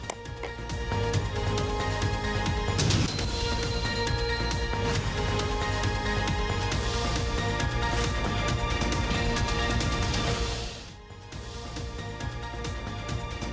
อธิบัติ